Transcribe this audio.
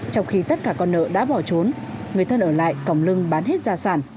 trong khi tất cả con nợ đã bỏ trốn người thân ở lại còng lưng bán hết ra sản